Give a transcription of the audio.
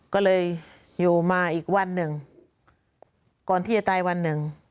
ก็เลยอยู่มาอีกวันหนึ่งก่อนที่จะตายวันหนึ่ง